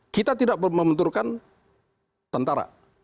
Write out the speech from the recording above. kita tidak memuturkan tentara